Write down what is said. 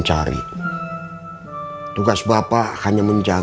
kalau gitu febri pamit ya